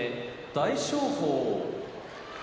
大翔鵬